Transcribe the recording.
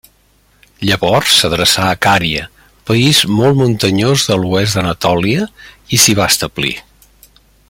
Llavors s'adreçà a Cària, país molt muntanyós de l'oest d'Anatòlia, i s'hi va establir.